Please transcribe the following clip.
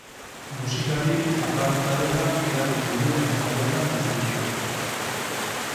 Musikari aparta dela erakutsi du aste hauetan guztietan.